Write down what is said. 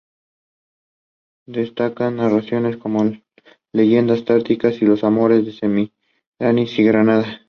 Destacan narraciones como "Leyenda tártara", "los amores de Semíramis" y "Granada".